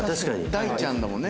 大ちゃんだもんね？